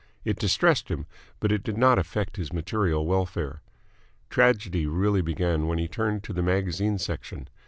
It distressed him, but it did not affect his material welfare. Tragedy really began when he turned to the magazine section.